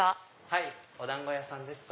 はいお団子屋さんです。